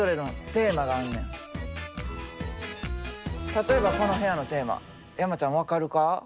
例えばこの部屋のテーマ山ちゃん分かるか？